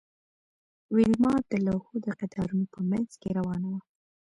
ویلما د لوحو د قطارونو په مینځ کې روانه وه